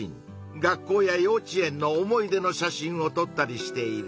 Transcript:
学校やようちえんの思い出の写真をとったりしている。